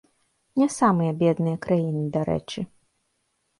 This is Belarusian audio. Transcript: Не самыя бедныя краіны, дарэчы.